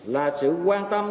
là sự quan tâm